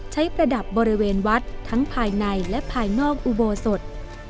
ประดับบริเวณวัดทั้งภายในและภายนอกอุโบสถ